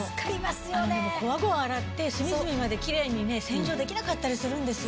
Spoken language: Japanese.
こわごわ洗って隅々までキレイに洗浄できなかったりするんですよ。